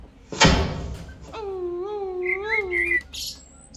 کانت ګریفي وویل هغه به دې هم یادیږي او په یاد به دې وي.